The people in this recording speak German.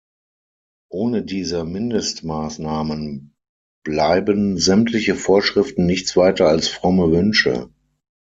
Ohne diese Mindestmaßnahmen bleiben sämtliche Vorschriften nichts weiter als fromme Wünsche.